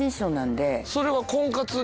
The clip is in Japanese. それは。